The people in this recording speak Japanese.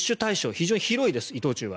非常に広いです。